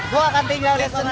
gue akan tinggal di sana